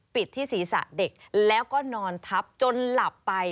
ที่ศีรษะเด็กแล้วก็นอนทับจนหลับไป